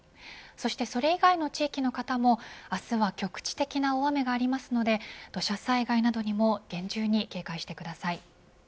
そしてそれ以外の地域の方も明日は局地的な大雨がありますので土砂災害などにも厳重に警戒してください。